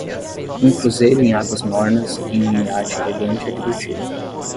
Um cruzeiro em águas mornas em um iate elegante é divertido.